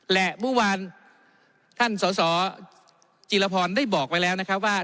และเมื่อวานท่านสสจีรพรได้บอกไว้แล้วนะครับว่า